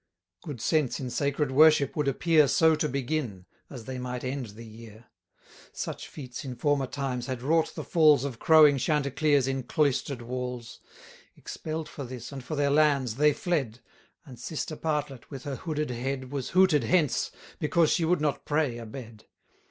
Good sense in sacred worship would appear 1020 So to begin, as they might end the year. Such feats in former times had wrought the falls Of crowing Chanticleers in cloister'd walls. Expell'd for this, and for their lands, they fled; And sister Partlet, with her hooded head, Was hooted hence, because she would not pray a bed.